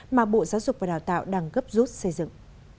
mà bộ giáo dục và đào tạo đang gấp rút xây dựng